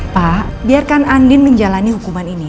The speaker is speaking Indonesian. pak biarkan andin menjalani hukuman ini